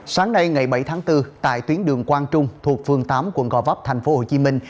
sáng nay ngày bảy tháng bốn tại tuyến đường quang trung thuộc phường tám quận gò vấp thành phố hồ chí minh